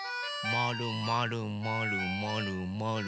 まるまるまるまるまる。